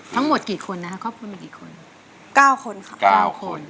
ทั้งหมดกี่คนนะครับครอบครัวมีกี่คน